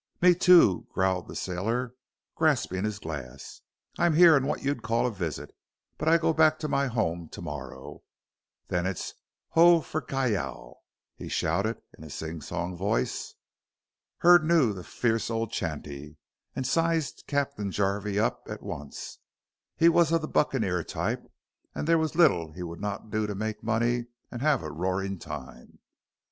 "Me, too," growled the sailor, grasping his glass. "I'm here on what you'd call a visit, but I go back to my home to morrow. Then it's ho for Callao," he shouted in a sing song voice. Hurd knew the fierce old chanty and sized Captain Jarvey up at once. He was of the buccaneer type, and there was little he would not do to make money and have a roaring time.